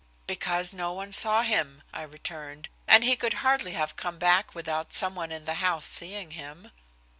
"Because no one saw him," I returned, "and he could hardly have come back without someone in the house seeing him."